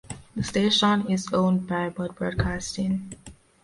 The station is owned by Budd Broadcasting.